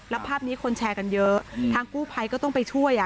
แล้วภาพนี้คนแชร์กันเยอะทางกู้ภัยก็ต้องไปช่วยอ่ะ